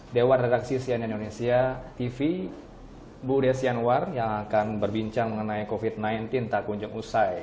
dewan redaksi sian indonesia tv bu desi anwar yang akan berbincang mengenai covid sembilan belas tak kunjung usai